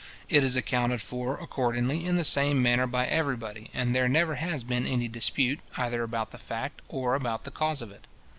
It is accounted for, accordingly, in the same manner by every body; and there never has been any dispute, either about the fact, or about the cause of it.